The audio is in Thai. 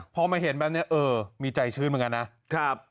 พอมาเห็นแบบนี้เออมีใจชื้นเหมือนกันนะครับ